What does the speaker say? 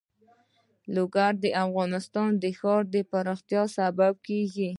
لوگر د افغانستان د ښاري پراختیا سبب کېږي.